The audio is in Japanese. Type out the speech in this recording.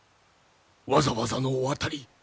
わざわざのおわたり